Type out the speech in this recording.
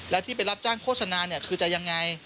แล้วที่ไปรับจ้างโฆษณาเนี่ยคือจะยังไง